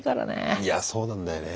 いやそうなんだよね。